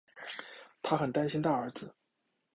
她很担心大儿子